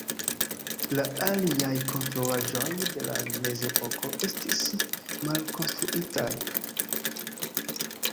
La aliaj konstruaĵoj de la Mezepoko estis malkonstruitaj.